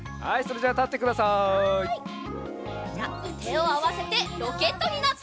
じゃてをあわせてロケットになって。